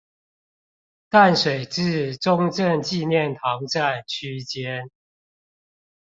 淡水至中正紀念堂站區間